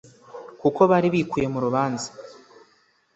kuko bari bikuye mu rubanza